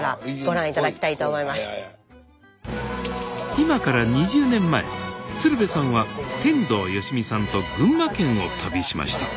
今から２０年前鶴瓶さんは天童よしみさんと群馬県を旅しました。